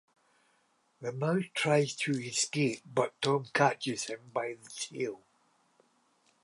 The mouse tries to escape but Tom catches him by the tail.